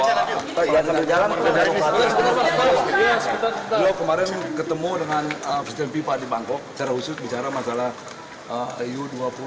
asal asal yang saya inginkan adalah kemampuan bahwa kemarin ketemu dengan presiden bipa di bangkok secara khusus bicara masalah eu dua ribu dua puluh satu